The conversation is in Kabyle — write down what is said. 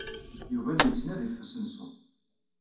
Yuba la yettnadi ɣef usensu.